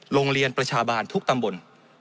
โรงเรียนประชาบาลทุกตำบล